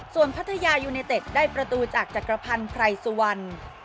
ส่วนพัทยายูเนเต็ดได้ประตูจากจักรพันธ์ไพรสุวรรณ